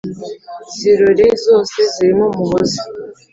zirore zose zirimo umuhoza